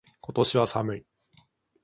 今年は寒い。